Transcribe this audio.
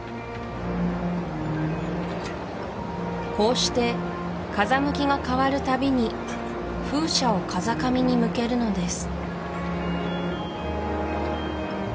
こうして風向きが変わるたびに風車を風上に向けるのです